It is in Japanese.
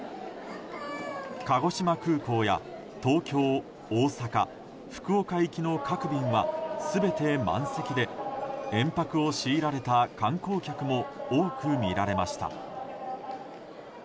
鹿児島空港や東京、大阪、福岡行きの各便は全て満席で連泊を強いられた観光客も多く見られました。